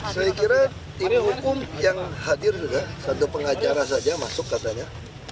saya kira ini hukum yang hadir juga satu pengacara saja masuk katanya